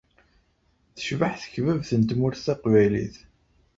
Tecbeḥ tekbabt n Tmurt taqbaylit.